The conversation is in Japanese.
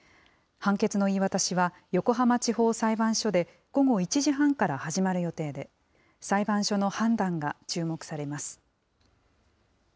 判決の言い渡しは横浜地方裁判所で午後１時半から始まる予定で、裁判所の判断が注目されます。